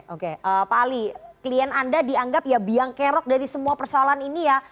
oke pak ali klien anda dianggap ya biang kerok dari semua persoalan ini ya